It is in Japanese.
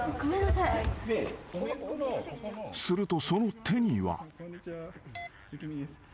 ［するとその手には］